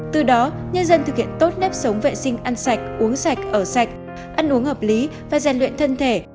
từ đó nhân dân thực hiện tốt nếp sống vệ sinh ăn sạch uống sạch ở sạch ăn uống hợp lý và gian luyện thân thể